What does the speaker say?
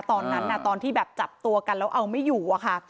ตอนนั้นน่ะตอนที่แบบจับตัวกันแล้วเอาไม่อยู่อ่ะค่ะ